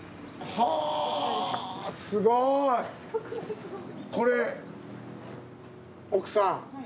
すごい！これ奥さん。